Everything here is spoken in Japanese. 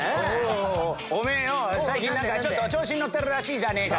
おめぇよ最近ちょっと調子に乗ってるらしいじゃねえか。